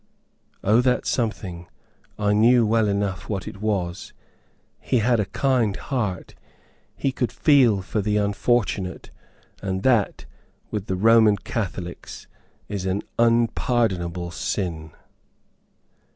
O that something! I knew well enough what it was. He had a kind heart; he could feel for the unfortunate, and that, with the Roman Catholics, is an "unpardonable sin."